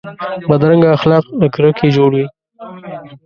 بدرنګه اخلاق له کرکې جوړ وي